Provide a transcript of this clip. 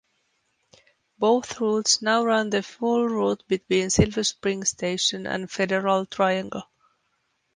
Both routes now run the full route between Silver Spring station and Federal Triangle.